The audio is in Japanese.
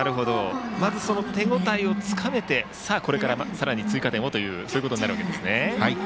まず手応えをつかめてこれからさらに追加点をとなるわけですね。